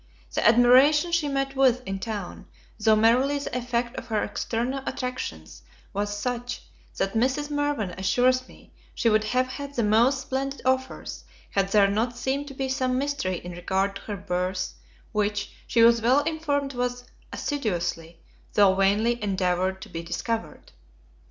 The admiration she met with in town, though merely the effect of her external attractions, was such, that Mrs. Mirvan assures me, she would have had the most splendid offers, had there not seemed to be some mystery in regard to her birth, which, she was well informed was assiduously, though vainly, endeavoured to be discovered.